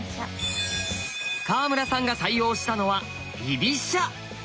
川村さんが採用したのは居飛車。